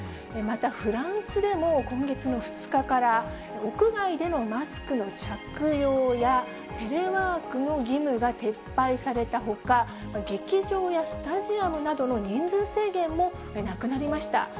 またフランスでも、今月の２日から、屋外でのマスクの着用や、テレワークの義務が撤廃されたほか、劇場やスタジアムなどの人数制限もなくなりました。